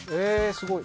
すごい